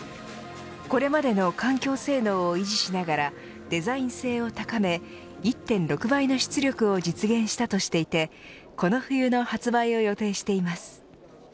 これまでの環境性能を維持しながらデザイン性を高め１．６倍の出力を実現したとしていてこの冬の発売を予定しています。